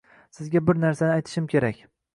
Sizga bir narsani aytishim kerak